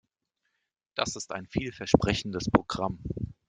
Das ist ein vielversprechendes Programm.